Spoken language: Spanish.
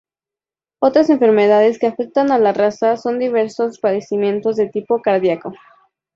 Otras enfermedades que afectan a la raza son diversos padecimientos de tipo cardíaco.